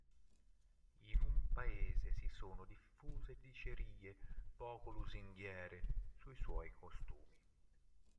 In paese si sono diffuse dicerie poco lusinghiere sui suoi costumi.